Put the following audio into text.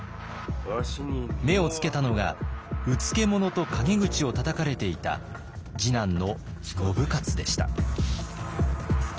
目をつけたのがうつけ者と陰口をたたかれていた次男の信雄でした。